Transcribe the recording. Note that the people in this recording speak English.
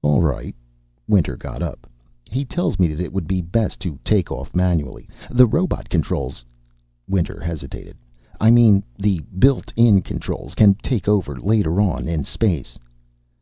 "All right." Winter got up. "He tells me that it would be best to take off manually. The robot controls " Winter hesitated. "I mean, the built in controls, can take over later on in space."